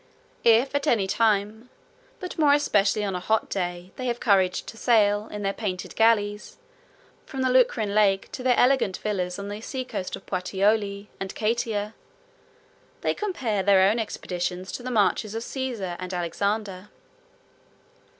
39 If at any time, but more especially on a hot day, they have courage to sail, in their painted galleys, from the Lucrine Lake 40 to their elegant villas on the seacoast of Puteoli and Cayeta, 41 they compare their own expeditions to the marches of Caesar and Alexander.